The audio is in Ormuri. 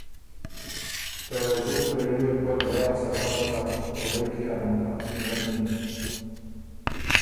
ته زُت پېړئے پۀ دراغ سفر نر کورئ کی ا مقامي قمی